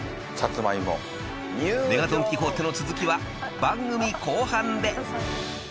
［ＭＥＧＡドン・キホーテの続きは番組後半で］